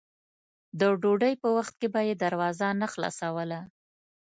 د ډوډۍ په وخت کې به یې دروازه نه خلاصوله.